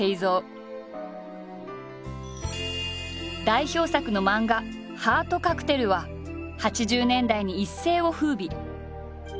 代表作の漫画「ハートカクテル」は８０年代に一世を風靡。